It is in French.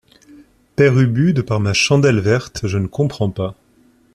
Père Ubu De par ma chandelle verte, je ne comprends pas.